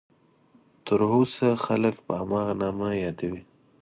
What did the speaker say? تر اوسه خلک په هماغه نامه یادوي.